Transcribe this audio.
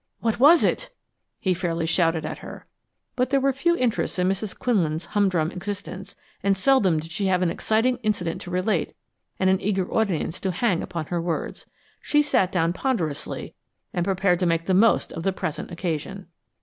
"What was it?" he fairly shouted at her. But there were few interests in Mrs. Quinlan's humdrum existence, and seldom did she have an exciting incident to relate and an eager audience to hang upon her words. She sat down ponderously and prepared to make the most of the present occasion.